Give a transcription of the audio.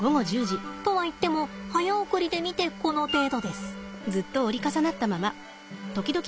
とはいっても早送りで見てこの程度です。